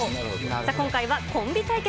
今回はコンビ対決。